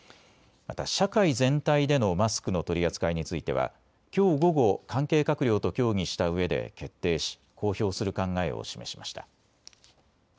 また社会全体でのマスクの取り扱いについてはきょう午後、関係閣僚と協議したうえで決定し公表する考えを示しました。